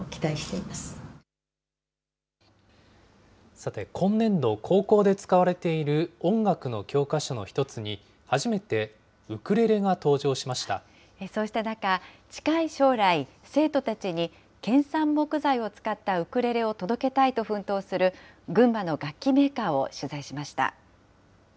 さて、今年度、高校で使われている音楽の教科書の１つに、そうした中、近い将来、生徒たちに県産木材を使ったウクレレを届けたいと奮闘する、群馬の楽器メーカーを取材しました。